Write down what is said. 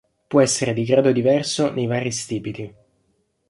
Può essere di grado diverso nei vari stipiti.